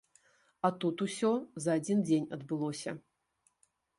А тут усё за адзін дзень адбылося.